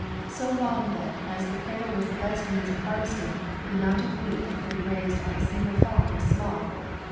So long, then, as the cradle was the best means of harvesting, the amount of wheat that could be raised on a single farm was small.